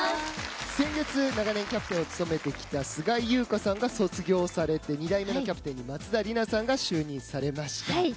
先月長年キャプテンを務めてきた菅井友香さんが卒業されて二代目のキャプテン松田里奈さんが就任されました。